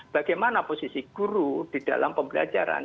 bagaimana posisi guru di dalam pembelajaran